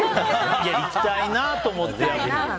行きたいなと思って。